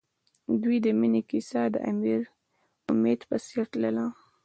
د دوی د مینې کیسه د امید په څېر تلله.